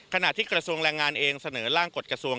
ขณะที่กระทรวงแรงงานเองเสนอร่างกฎกระทรวง